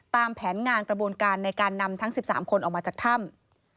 ตามแผนงานกระบวนการในการนำทั้ง๑๓คนออกมาจากถ้ำ